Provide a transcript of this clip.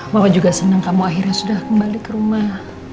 mama juga seneng kamu akhirnya sudah kembali ke rumah